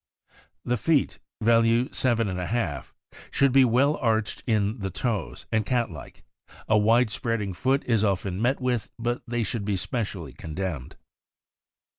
The feet (value 7J) should be well arched in the toes, and cat like; a wide spreading foot is often met with, but they should be specially condemned.